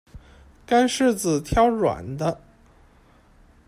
干柿子挑软的